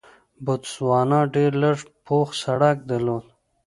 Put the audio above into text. بوتسوانا ډېر لږ پوخ سړک درلود.